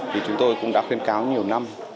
thì chúng tôi cũng đã khuyến cáo nhiều năm